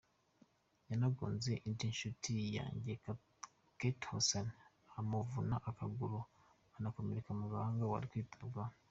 Yanagonze indi nshuti yanjye Kato Hassan imuvuna akaguru anakomereka mu gahanga ubu ari kwitabwaho.